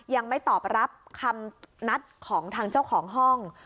ยังไม่ตอบรับคำนัดของทางเจ้าของห้อง